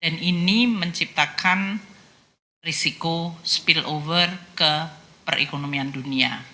dan ini menciptakan risiko spillover ke perekonomian dunia